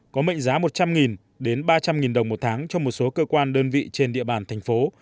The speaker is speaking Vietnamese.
có mệnh giá một trăm linh đến ba trăm linh đồng một tháng cho một số cơ quan đơn vị trên địa bàn thành phố